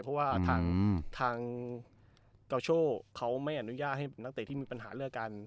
เพราะว่าทางเกาโชเขาไม่อนุญาตให้นักเตะที่มีปัญหาเลิกกัน